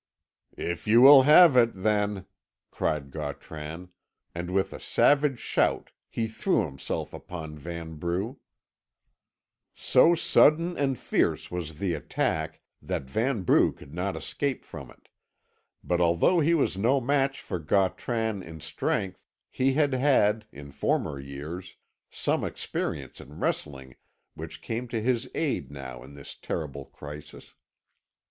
"If you will have it, then!" cried Gautran, and with a savage shout he threw himself upon Vanbrugh. So sudden and fierce was the attack that Vanbrugh could not escape from it; but although he was no match for Gautran in strength, he had had, in former years, some experience in wrestling which came to his aid now in this terrible crisis.